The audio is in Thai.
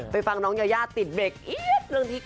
ไปฟังน้องยายาติดเบคเรื่องที่